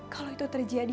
kalau itu terjadi